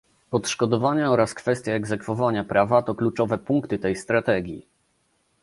Odszkodowania oraz kwestia egzekwowania prawa to kluczowe punkty tej strategii